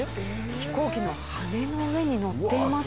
飛行機の羽の上に乗っています。